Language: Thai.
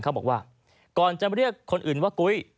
เขาบอกว่าก่อนจะเรียกคนอื่นว่ากุ้ย